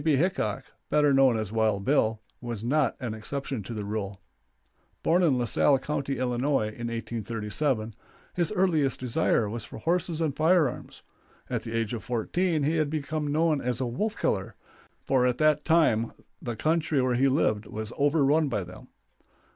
B. Hickok, better known as Wild Bill, was not an exception to the rule. [Illustration: WILD BILL.] Born in La Salle County, Illinois, in 1837, his earliest desire was for horses and firearms. At the age of fourteen he had become known as a wolf killer, for at that time the country where he lived was overrun by them.